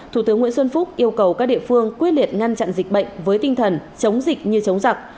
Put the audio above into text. thủ tướng nguyễn xuân phúc yêu cầu các địa phương quyết liệt ngăn chặn dịch bệnh với tinh thần chống dịch như chống giặc